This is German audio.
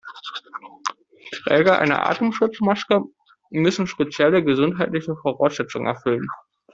Träger einer Atemschutzmaske müssen spezielle gesundheitliche Voraussetzungen erfüllen.